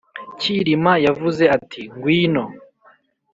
cyilima yavuze ati ngwino